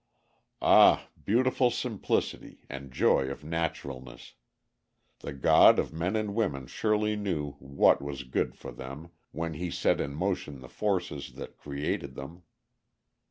Ah! beautiful simplicity and joy of naturalness. The God of men and women surely knew what was good for them when He set in motion the forces that created them.